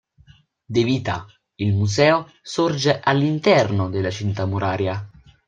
De Vita, il Museo sorge all'interno della cinta muraria.